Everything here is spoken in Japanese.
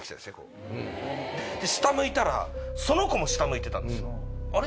下向いたらその子も下向いてたんですよ。